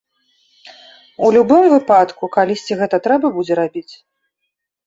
У любым выпадку, калісьці гэта трэба будзе рабіць.